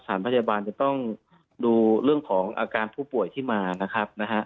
พยาบาลจะต้องดูเรื่องของอาการผู้ป่วยที่มานะครับนะฮะ